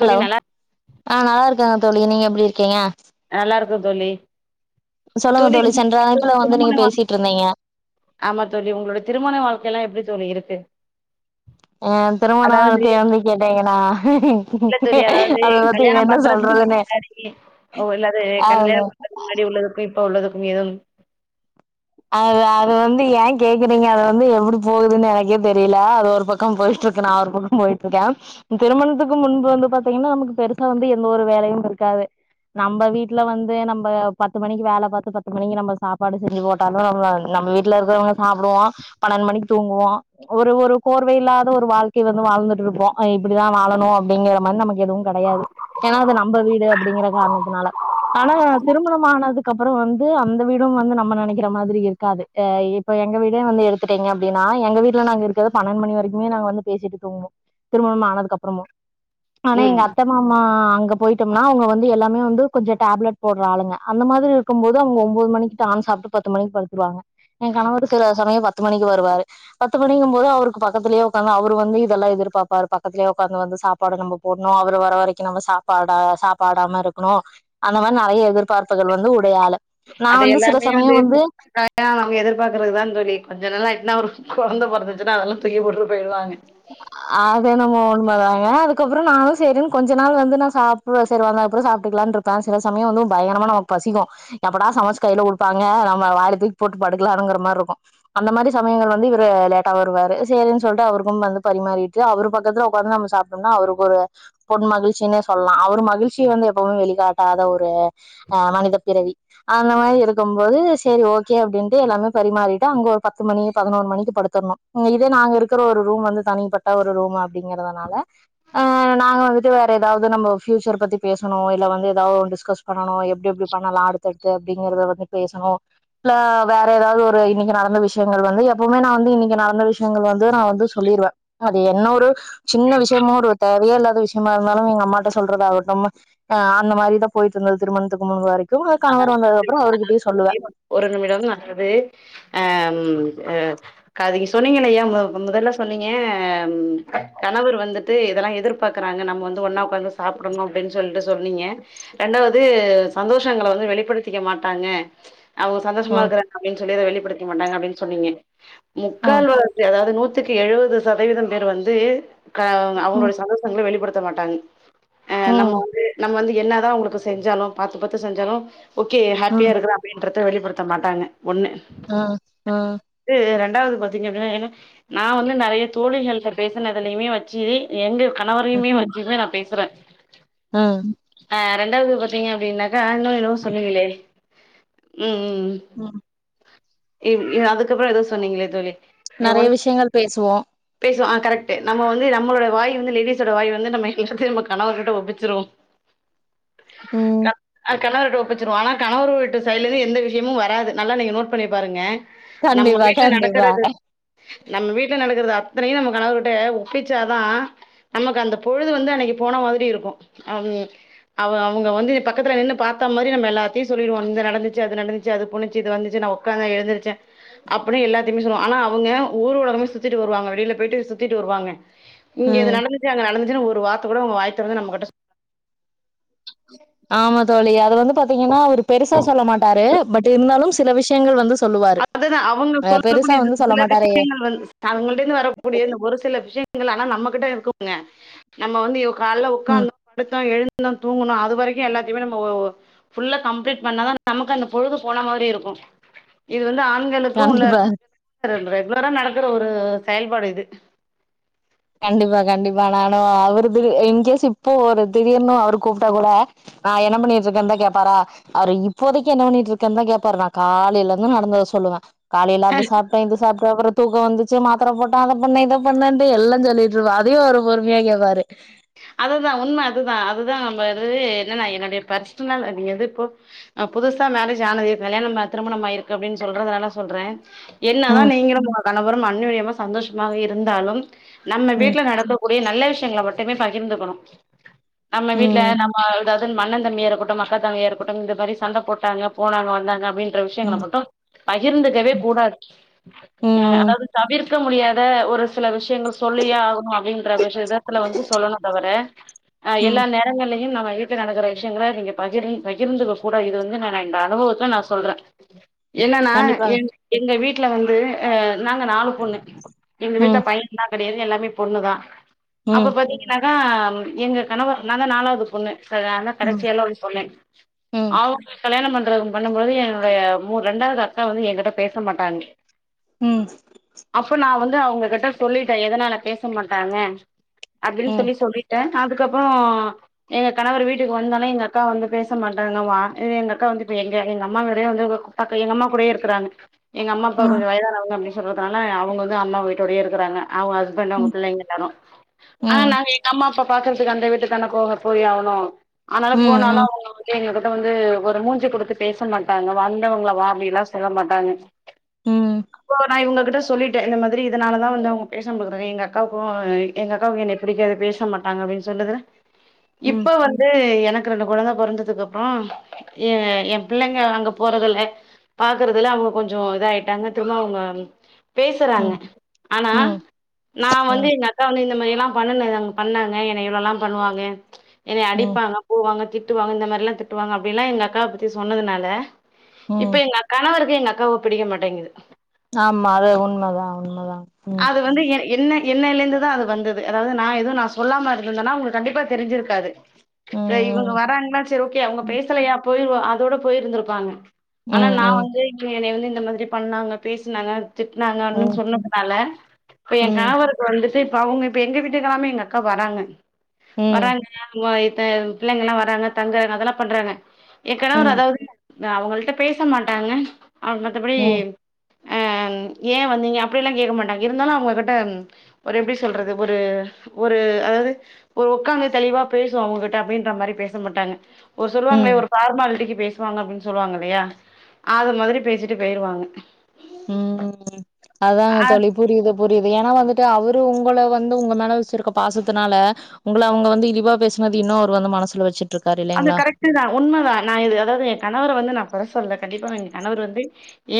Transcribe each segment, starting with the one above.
தோழி ஹலோ நல்லா ஆ நல்லா இருக்காங்க தோழி நீங்க எப்பட இருக்கீங்க நல்லா இருக்கோம் தோழி சொல்லுங்க தோழி சென்ற உங்க அழைப்புல வந்து திருமண நீங்க பேசிட்டு வாழ்க்கை இருந்தீங்க ஆமா தோழி உங்களோட திருமண வாழ்க்கை எல்லா எப்டி தோழி இருக்கு [unintelligible] ஹ திருமண அதாவது வாழ்க்கை அப்டினு கேட்டீங்கன்னா இல்ல தோழி அதாவது அத பத்தி கல்யாணம் என்ன பண்றதுக்கு சொல்றதுன்னு முன்னாடி உள்ளது அது கல்யாணம் பண்றது முன்னாடி உள்ளதுக்கும் இப்ப உள்ளதுக்கும் மீதும் அ அது வந்து ஏன் கேக்குறீங்க அது வந்து எப்டி போகுதுன்னு எனக்கே தெரியல அது ஒரு பக்கம் போயிட்டு இருக்கு நா ஒரு பக்கம் போயிட்டு இருக்கேன் திருமணத்துக்கு முன்பு வந்து பாத்தீங்கன்னா நமக்கு பெருசா வந்து எந்த ஒரு வேலயும் இருக்காது நம்ம வீட்டுல வந்து நம்ம பத்து மணிக்கு வேல பார்த்து பத்து மணிக்கு நம்ம சாப்பாடு செஞ்சு போட்டோம் நம் நம்ம வீட்டுல இருக்கிறத சாப்பிடுவோம் பணன்டுமணிக்கு தூங்குவோம் ஒரு ஒரு கோர்வை இல்லாத ஒரு வாழ்க்கை வந்து வாழ்ந்துட்டு இருப்போம் இப்டிதான் வாழணும் அப்டிங்கற மாரி நமக்கு எதும் கெடையாது ஏன்னா அது நம்ம வீடு அப்டிங்கிற காரணத்தினால ஆனா திருமணம் ஆனதுக்கு அப்பறம் வந்து அந்த வீடு வந்து நம்ம நினைக்கிறோ இருக்கிற மாரி இருக்காது ஹ இப்போ எங்க வீடே வந்து எடுதுட்டீங்க அப்டின்னா எங்க வீட்டுல நாங்க இருக்கறது பன்னண்டு மணி வரைக்குமே நாங்க வந்து பேசிட்டு தூங்குவோம் திருமணமா ஆனதுக்கு அப்பறமும் ஆனா எங்க ம் அத்த மாமா அங்க போயிட்டோம்னா அவங்க வந்து எல்லாமே வந்து கொஞ்சம் டேப்லெட் போற ஆளுங்க அந்த மாரி இருக்கும் போதுங்க ஒன்பது மணிக்கு டான் சாப்பிட்டு பத்து மணிக்கு படுத்துருவாங்க என் கணவ சில சமயம் பத்து மணிக்கு வருவாரு பத்து மணிக்கும் போது அவருக்கு பக்கத்துலேயே உட்காந்து அவரு வந்து இதெல்லாம் எதிர்பார்ப்பாரு பக்கத்திலயே உட்காந்து வந்து சாப்பாடு நம்ம போடணும் அவர் வர வரைக்கும் நம்ம சாப்பாட சாப்பாடாம இருக்கணும் அந்த மாதிரி நெறய எதிர்பார்ப்புகள் வந்து [inaudible] நான் வந்து சில ச அங்க அத எதிர்பார்க்கறது தா தோழி கொஞ்சம் நல்லா ஒரு குழந்த பொறந்துச்சுனா அதல்லாம் தூக்கி போட்டு போயிரூவாங்க ங்க அதுக்கப்பறம் நானும் செரின்னு கொஞ்ச நாள் வந்து நான சாப்ப செரி வந்தது அப்பறம் சாப்பிட்டுக்கலாம்னு இருப்பேன் சில சமயம் வந்து பயங்கரமா நமக்கு பசிக்கும் எப்டா சமைச்ச கையில கொடுப்பாங்க நம்ம வாரி தூக்கி போட்டு படுக்கலானனுங்கிற மாரி இருக்கும் அந்த மாதிரி சமயங்கள் வந்து இரு லேட்டா வருவாரு சரின்னு சொல்லிட்டு அவருக்கும் வந்து பரிமாறிட்டு அவருக்கு ஒரு பொன்மகிழ்ச்சி சொல்லலாம் அவ மகிழ்ச்சிய வந்து எப்வும வெளிகாட்டாத ஒரு மனித பிறவி அந்த மாரி இருக்கும் போது சரி ஓகே அப்டின்ட்டு எல்லாமே பரிமாறிட்டு அங்க ஒரு பத்து மணி பதினொரு மணிக்கு படுத்தரனும் இதே நாங்க இருக்கிற ஒரு ரூம் வந்து தனிப்பட்ட ஒரு ரூம் அப்டிங்கறதுனால அ நாங்க வந்துட்டு வேற எதாவது நம்ம ஃபியூச்சர் பத்தி பேசணும் இல்ல வந்து எதாவது டிஸ்கஸ் பண்ணணும் எப்டி எப்டி பண்ணலாம் அடுத்துடுத்து அப்டிங்கறத வந்து பேசணும் இல்ல வேற எதாவது ஒரு இன்னைக்கு நடந்த விஷயங்கள் வந்து எப்பவுமே நான் வந்து இன்னைக்கு நடந்த விஷயங்கள் வந்து நான வந்து சொல்லிருவேன் அது என்ன ஒரு சின்ன விஷயமோ ஒரு தேவைய இல்லாத விஷயமா இருந்தாலும் எங்க அம்மாகிட்ட சொல்றது ஆகட்டும் அஹ் அந்த மாரிதான் போயிட்டு இருந்தது திருமணத்துக்கு முன்பு வரைக்கும் அத அத ஒரு நிமிடம் நல்லது அஹங்க சொன்னீங்க இல்லையா முதல்ல சொன்னீங்க கணவர் வந்துட்டு இததெல்லாம் எதிர்பார்க்குறாங்க நம்ம வந்து ஒன்னா உக்க்காந்து சாப்பிடணும் அப்படின்னு சொல்லிட்டு சொன்னீங்க ரெண்டாவது சந்தோஷ் ஸ்டங்களவந்து வெளிப்படுத்திக்க மாட்டாங்க அவங்க சந்தோஷமா ம் இருக்காங்க அப்பின்னு சொல்லிற வேலி படிக்க மாட்டாங்க அப்புடின்னு சொன்னீங்க ம் முக்கால் வளர்ச்சி அதாவது நூத் த்துக்கு எழுபது சதவீதம் பேர் வந்து க்க ம் அவங்களுடைய சந்தோசங்களை வெளிப்படுத்த த்தமாட்டாங் ஆஹ் நம்ம ம் வந்து நம்ம வந்து என்ன தான் உங்களுக்கு செஞ்சாலும் பாத்து பாத் செஞ்சாலும் ஓகே ஹப்பியா ம் இருக்கிற அப்டின்ற வெளிப்படுத்த மாட்டாங்க ஒண்ணு ம் ம் த்ரெண் இரண்டாவது பாத்தீங்கப்ப நான் வந்து நிறைய தோழிகள் கிட்ட பேசினதுலுமே வச்சு எங்க கணவரையுமே வச்சுமே ந பேஸ் ம் [inaudible] ஆஹ் ரெண்டாவது பாத்தீங்க அப்படின்னா ஆஹ இன்னும் இது சொல்லவில்லை உம் உஹம் ம் ஏ ஏஅதுக்கப்புறோ ஏதோ சொன்னீங்களே தோழி நெறைய ஒன் விஷயங்கள் பேசுவோம் பேசுவோ ஆ கரெக்ட் நம்ம வந்து நம்மளோட வாய் வந்து லேடிஸோட வாய் வந்து நம்ம எல்லாத்தையும் நம்ம கணவர்கிட்ட ஒப்பிச்சிருவோம் ம் [unintelligible] ஆ கணவரட்ட ஒப்பச்சுருவோம் ஆனால் கணவர்வூட்டு சைடுலேந்து எந்த விஷயமும் வராது நல்ல நீங்க நோட்பண்ணி பாருங்க நம்ம கண்டிப்பா வீட்டுல கண்டிப்பா நடக்கறிறது நம்ம வீட்டுல நடக்கறது அ அத்தனையும்கணவுர்கிட்ட ஒப்புச்சாதான் நமக்கு அந்த பொழுது வந்து அன்னைக்கு போன மாதிரி இருக்கும் அவங்க வந்து இப்ப பக்கத்துல நின்று பார்த்த மாரி நம்ம எல்லாத்தையும் சொல்லிடுவோம் இந்த நடந்துச்சு அது நடந்துச்சு அது போனுச்சி இது வந்துச்சு நான் உக்காரே எழுதுருச்ச அப்படின்னு எல்லாத்துமே சொல்லுவா ஆனா அவங்க ஊர் உலகமே சுத்திட்டு வருவாங்க வெளியில போயிட்டு சுத்திட்டு வருவாங்க இங்க ம் இது நடந்துச்சு அங்க நடந்து ஒரு வார்த்தை கூட உங்க வாய தொறந்து நம்ம கிட்ட சொல் ஆமா அத வந்து பாத்தீங்கன்னா அவ பெருசா சொல்ல மாட்டாரு பட் இருந்தாலும் சில விஷயங்கள் வந்து சொல்லுவாரு அதுதான் அவங்க அ பெருசா சொல்லக்கூடிய வந்து சொல்ல சில மாட்டாரு விஷயங்கள் வந்து அவங்கள்டே இருந்து வரக்கூடிய ஒரு சில விஷயங்கள் நம்மகிட்ட இருக்குங்க நம்ம வந்து கால்ல ம் உட்கார்ந்த பாத்தோம் எழுந்து தூங்குணும் அது வரைக்கும் எல்லாத்தையுமே நம்ம புல்ல கம்ப்ளீட் பண்ணாதான் நமக்கு அந்த பொழுது போன மாதிரி இருக்கும் இது வந்து ஆண்களுக்கும் உள்ள கண்டிப்பா பெண்களுக்கும் ரெகுலரா நடக்கற ஒரு செயல்பாடு இது கண்டிப்பா கண்டிப்பா நானும் அவருக்கு இன்கேஸ் இப்போ ஒரு திடீர்னு அவரு கூப்பிட்டா கூட நான் என்ன பண்ணிட்டு இருக்கேனு தான் கேப்பாரு அவரு இப்போதைக்கு என்ன பண்ணிட்டு இருக்கேன்னு தான் கேப்பாரு நான் காலையில இருந்து நடந்தத சொல்லுவேன் காலையில அது சாப்பிட்டேன் இது சாப்பிட்டேன் அப்புற தூக்க வந்து மாத்திர போட்டேன் அத பண்ண இத பண்ணேன் எல்லத்தை சொல்லிடுவேன் அதையும் அவரு பொறுமையா கேப்பாரு அதுதான் உண்ம அதுதான் அதுதான் நம்ம எது என்னன்னா என்னுடைய பர்சனலல் நீங்க எது இப்போ புதுசா மேரேஜ் ஆனது கல்யாணம் திருமணமிருக்கு அப்படின்னு சொல்றதுனால சொல்றேன் என்னாதான் ம் நீங்க மா கணவரும் அண்ணுழியமா சந்தோஷமாக இருந்தாலும் நம்ம ம் வீட்டுல நடக்ககூடிய நல்ல விஷயம் எங்கள மட்டுமே பகிர்ந்துக்கணும் நம்ம வீட்டு்ல ம் நம்ம ஏதாவுது நம்மண்ண தம்பியா இருக்கட்டும் மக்கத்தங்கயா இருக்கட்டும் இந்த மாதிரி சண்ட போட்டாங்க போனாங்க வந்தாங்க அப்புடின்னு விஷயங்கள ம் மட்டும் பகிர்ந்துக்கவே கூடாது ம் அதாவது தவிர் தவிர்க்க முடியாத ஒரு சில விஷயங்கள் சொல்லியே ஆகணும் அப்படின்ற விஷதத்துல வந்து சொல்லணும் தவிர ஆஹ் ம் எல்லா நேரங்களலையும் நம்ம வீட்ல நடக்கிற விஷயங்கள நீங்க பகிர் பகிர்ந்துக்க கூட இது வந்து நான் இந்த அனுபவத்தை நான் சொல்றேன் என்னன்னா கண்டிப்பா எ எங்க வீட்டு வீட்ல வந்து நாங்க நாலு பொண்ணு எங்க வீட்ல ம் பையன் லாம் கிடையாது எல்லாம் பொண்ணுதான் அப்ப ம் பாத்தீங்கன ஆன எங்கள் கணவர் தான் நாலாவது பொண்ணு ம் கடைச்சிய எல்லாம் சொன்னேன் ம் அவங்க கல்யாணம் ப பண்ணும்பழுது என்னுடைய மூ ரெண்டாவது அக்கா வந்து என்கிட்ட பேச மாட்டாங்க உம் அவுங்ககிட்ட சொல்லிட்டேன் எதனால பேச மாட்டாங்க அப்டின்னு ம் சொல்லி சொல்லிட்டன் அதுக்கப்புறம் எங்க கணவர் வீட்டுக்கு வந்தொனயே எங்க அக்கா வந்து பேச மாட்டாங்கம எங்க அக்கா வந்து இப்ப எங்க எங்க அம்மா கூடயே இருக்குறாங்க எங்க அம்மாப்பா ம் கொஞ்சோ வயதானவங்க அப்பனு சொல்றதுனால அவங்க வந்து அம்மா வீட்டோடயே இருக்குறாங்க அவங்க ஹஸ்பண்ட் அவங்க ம் புள்ளங்க எல்லாரும் ஆ ம் நாங்க எங்க அம்மா இப்ப பாக்குறதுக்கு அந்த வீட்டுக்குதானே போய் ஆகணும் ம் ஆனாலு போனாலும் ம் அவங்க எங்க வந்து ஒரு மூஞ்சி குடுத்து பேச மாட்டாங்க வந்தவங்கள வா அப்டினுலாம்சொல்ல மாட்டாங்க ம் அப்போ நான் இவங்க சொல்லிட்டே இந்த மாதிரி இதனால தான் வந்து அவங்க பேசமாற்றாங்க எங்க அக்காவுக்கும் எங்க அக்க எங்கக்காகு என்ன புடிக்காது பேச மாட்டாங்க அப்டின்னு சொல்லது ம் இப்ப வந்து எனக்க எனக்கு ரெண்டு கெழந்த பொறந்ததுக்கு அப்ரோம் என் புள்ளைங்க அங்க போறதுல்ல பாக்குறதுல்ல அவங்க கொஞ்சம் இதயிட்டாங்க திரும்ப அவங்க பேசுறாங்க ம் ஆனா ம் நான் வந்து எங்க அக்கா வந்து ல்லாம் பண்ணு அங்க பண்ணாங்க ஏன்ன இவ்வளோ எல்லாம் பண்ணுவாங்க என்ன ம் அடிப்பாங்க போவாங்க திட்டுவாங்க இந்த மாதிரிலாம் திட்டுவாங்க அப்டிலாம் எங்க்காவ பத்தி சொன்னதுனால இப்ப ம் எங்க கணவர் எநகஅக்காவை பிடிக்க மாட்டேங்குது ஆமா அது உண்மதான் உண்மதான் ம் அது வந்து என்ன என்ன இல இருந்துதான் அது வந்தது அதாவது நான் எதுவும் நான் சொல்லாம இருந்ததுன்னா உங்களுக்கு கண்டிப்பா தெரிஞ்சிருக்காது இவங்க ம் வராங்கன்னா செரி ஓகே அவங்க ம் பேசலயா போயி அதோட போயிருந்திருப்பாங்க ம் ஆனா ம் நான் ம் வந்து என்னய வந்து இந்த மாதிரி பண்ணாங்க பேசினாங்க திட்னாங்க அன்னு ம் சொன்ன இப்ப என் ம் கன்வக்கு வந்து சரி இப்ப அவங்க இப்ப எங்க வீட்டுக்கெல்லாம எங்க அக்கா வராங்க ம் வராங்க பிள்ளைங்க எல்லாம வராங்க தங்குறாங்க அதலாம் பண்றாங்க எகணவர் ம் அதாவது அவங்கள்ட்ட பேச மாட்டாங்க அவங்க மத்தபடி அ ஏன் வந்தீங்க அப்படி எல்லாம் கேட்க மாட்டாங்க இருந்தாலும் அவங்ககிட்ட ஒரு எப்படி சொல்றது ஒரு ஒரு அதாவது ஒரு உட்காந்து தெளிவா பேசும் அவங்ககிட்ட அப்படின்ற மாதிரி பேச மாட்டாங்க ஒரு சொல்லுவாங்களே ம் ஒரு பார்மாலிட்டிக்கு பேசுவாங்க அப்படின்னு சொல்லுவாங்க இல்லையா அது மாதிரி பேசிட்டு போயிருவாங்க உஹம் அதான் அ தொலைபூரிதல் புரியுது ஏன்னா வந்துட்டு அவரு உங்களை வந்து உங்க மேல வச்சிருக்க பாசத்தனால உங்களை அவங்க வந்து இழிவா பேசினது இன்னும் அவரு வந்து மனசல வச்சுட்டு இருக்காரு அது இல்லைங்களா கரெக்டு தான் உண்மைதான் நான் இது அதாவது என் கணவர வந்து நான் கொர சொல்ல கண்டிப்பா எங்க கணவர் வந்து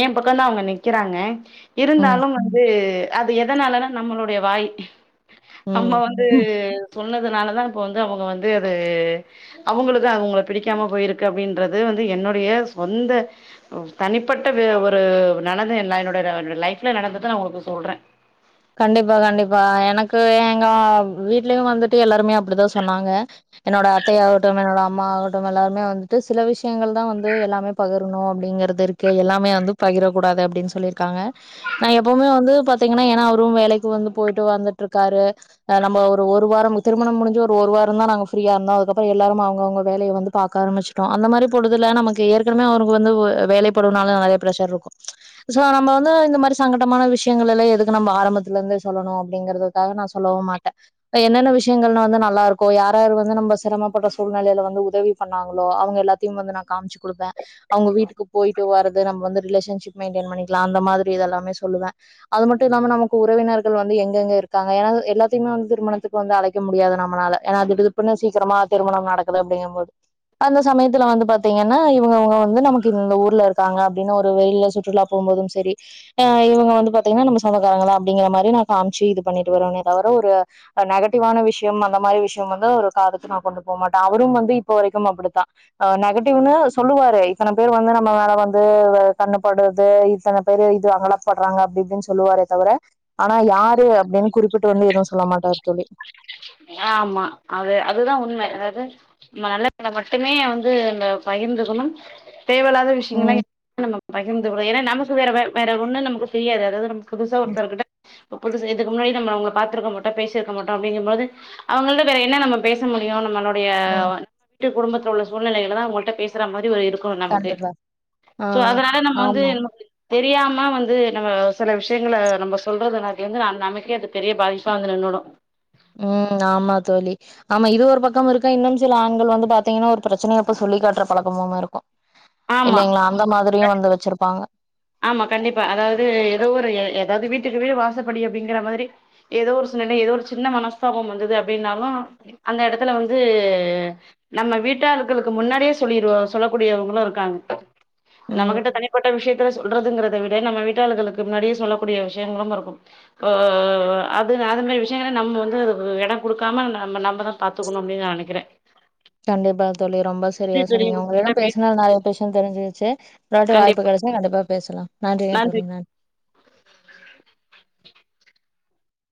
என்பக்கம்தான் அவங்க நிக்கிறாங்க ம் இருந்தாலும் வந்து அது எதனாலனா நம்மளுடைய வாய் அம்மா வந்து ம் சொன்னதுனாலதான் இப்ப வந்து அவங்க வந்து அது அவங்களுக்கு அதுவுங்க பிடிக்காம போயிருக்கு அப்படின்றது வந்து என்னுடைய சொந்த தனிப்பட்ட ஒரு நடதை என்னாது என்னுடைய லைஃப்ல நடந்தது நான் உங்களுக்கு சொல்றேன் கண்டிப்பா கண்டிப்பா எனக்கு எங்க வீடலயும் வந்துட்டு எல்லாருமே அப்படிதான் சொன்னாங்க என்னோட அத்தையாகட்டும் என்னோட அம்மாகட்டும் எல்லாருமே வந்துட்டு சில விஷயங்கள் தான் வந்து எல்லாமே பகிரணும் அப்படிங்கறிறது இருக்கு எல்லாமே வந்து பகிரக்கூடாது அப்படின்னு சொல்லிருக்காங்க நான் எப்பவுமே வந்து பாத்தீங்கன்னா ஏன்னா வேலைக்கு வந்து போயிட்டு வந்து இருக்காரு நம்ம ஒரு வாரம் திருமணம் முடிஞ்ச ஒரு ஒரு வாரம் தான் இருந்தோம் அதுக்கறம் எல்லும் அவங்கங்க வேலைய வந்து பா ஆரம்பிச்சோம் அந்த மாதிரி பொதுல நமக்கு ஏனவே அவந்து வேலைடுலர் இருக்கும் வ மாரி சங்கமான விஷயங்கள எ நா சிரத்துல இருந்து சொல்லணும் அப்படிங்கறிறதுக்காக நான் சொல்லவும் மாட்டேன் என்னென்ன விஷயங்கள் வந்து நல்லா இருக்கும் ய யும் வந்து நம்ம சிரமப்பட்ட சூழ்நிலையில வந்து உதவி பண்ணாங்களோ அவங்க எல்லாத்தையும் வந்து நான் காமிச்சு கொடுப்பேன் அவங்க வீட்டுக்கு போயிட்டு வறது நம்ம வந்து ரிலேஷன்ஷிப் மெயின்டென் பண்ணிக்கலாம் அந்த மாதிரி இதெல்லாமே சொல்லுவேன் அது மட்டும் இல்லாம நமக்கு உறவினர்கள் வந்து எங்க எங்க இருக்காங்க ஏன்னா எல்லாத்துமே திருமணத்துக்கு வந்து அழைக்க முடியாது நம்மனால ஏா அ இின் சீக்கிரமா திருமணம் நடக்குது அப்படிங்கும் போது அந்த சமயத்துல வந்து பாத்தீங்கன்னா இங்கங்க வந்து நமக்கு ஊர்ல இருக்காங்க அப்படின்னு ஒரு வெியில சுற்றுலா போகும் போதும் சரிஹ் இவங்க வந்து பாத்தீங்கன்னா நம்ம சொந்தக்காரங்கள அப்படிங்கிற மாதிரி ந காமிச்சு இது பண்ணிட்டு வருரனே தவிர ஒரு நெகட்டிவான விஷயம் அந்த மாதிரி விஷயம் வந்து ஒரு காதத்துக்கு நான் கொண்டு போக மாட்டேன் அவரும் வந்து இப்ப வரைக்கும் அப்படித்தான் அஹ் நெகட்டிவ்ன்னனு சொல்லுவாரு இத்தனை பேர் வந்து நம்ம மேல வந்து கண்ணுப்படுறது இத்தனை பேரு இது அங்காப்படுறாங்க அப்படி இப்படின்னு சொல்லுவாாரே தவிர ஆனா யாரு அப்படின்னு குறிப்பிட்டு வந்து எதுவும் சொல்ல மாட்டார் தோழி ஆமா அது அதுதான் உண்மை அதாவது ந நல்ல பலை மட்டுமே வந்து இந்த பகிர்ந்துக்கணும் தேவலாத ம் விஷயங்கள் நம்ம பகிர்ந்து ஏன்னா நமக்கு வேற வேற ஒண்ணு நமக்கு தெரியாது அதாவது நமக்கு புதுசா ம் ஒருத்த கிட்ட புதுக்கு முன்னாடி நம்மங்க பாத்துக்கட்டம் பேசிருக்க மாட்டோ அப்படிங்கும்போது அவங்கள்ட வேற என்ன நம்ம பேச முடியும் நம்மளோட ம் அப்படிய குடும்பத்துல உள்ள சூழ்நிலைகளாத தான் அவர்கள் டா பேசுற மாதிரி ஒரு இருக்கணும் நமக்கு கண்டிப்பா ஆ சோ அதனால நம்ம வந்து ஆமா தெரியாம வந்து நம்ம சில விஷயங்களை நம்ம சொல்றதுன வந்து நான் நமக்கே அது பெரிய பாதிப்பா வந்து நின்ணுடும் ம் ஆமா தோழி ஆமா இது ஒரு பக்கம் இருக்கா இன்னும் சில ஆண்கள் வந்து பாத்தீங்கன்னா ஒரு பிரச்சனைய எப்ப சொல்லி காட்டுற பழக்கமுமே இருக்கும் ஆமா இல்லைங்களா அந்த மாதிரியும் வந்து வச்சிருப்பாங்க ஆமா கண்டிப்பா அதாவது ஏதோ ஒரு ஏதாவது வீட்டுக்கு வீடு வாசப்படி அப்படிங்கிற மாதிரி ஏதோ ஒரு சுழ்நிலை ஏதோ ஒரு சின்ன மனஸ்தாபம் வந்தது அப்படின்னாலும் அந்த இடத்துல வந்து நம்ம வீட்டாக்களுக்கு முன்னாடியே சொல்லிருவ சொல்லக்கூடியவங்களும் இருக்காங்க ம் நமகிட்ட தனி பட்ட விஷயத்த சொல்றதுங்கிறத விட நம்ம வீட்டாள்களுக்கு முன்னாடியே சொல்லக்கூடிய விஷயங்களும் இருக்கும் அஹ அது அது மாதிரி விஷயங்கள நம்ம வந்து அது இடம் கொடுக்காம நம்ம நம்மதான் பாத்துக்கணும் அப்படின்னு நான் நினக்கிறேன் கண்டிப்பா தோலி ரொம்ப செரியா சொன்னிங்க உங்ககிட்ட உங்களிடம் பேச பேசுனா நெறைய விஷயம் தெரிஞ்சுருச்சு ஒரு வாட்டி வாய்பு கண்டிப்பா கிடச்சா கண்டிபா பேசலாம் நன்றிங்க நன்றி தொழிநா